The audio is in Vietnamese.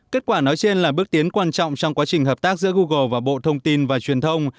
kết quả nói trên là bước tiến quan trọng trong quá trình hợp tác giữa google và bộ thông tin và truyền thông